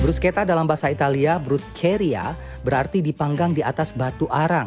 bruschetta dalam bahasa italia bruscheria berarti dipanggang di atas batu arang